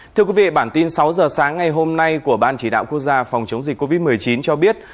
thưa quý vị bản tin sáu giờ sáng ngày hôm nay của ban chỉ đạo quốc gia phòng chống dịch covid một mươi chín cho biết